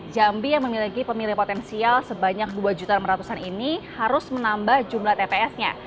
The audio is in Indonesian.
jambi yang memiliki pemilih potensial sebanyak dua jutaan meratusan ini harus menambah jumlah tpsnya